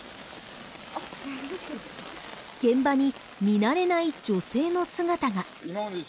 現場に見慣れない女性の姿が。